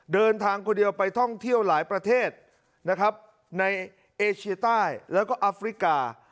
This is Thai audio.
เดินทางคนเดียวไปท่องเที่ยวหลายประเทศนะครับในเอเชียใต้แล้วก็อัฟริกา